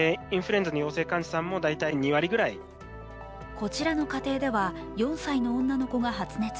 こちらの家庭では４歳の女の子が発熱。